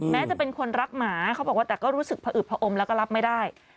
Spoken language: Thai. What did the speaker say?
จะเป็นคนรักหมาเขาบอกว่าแต่ก็รู้สึกผอึบผอมแล้วก็รับไม่ได้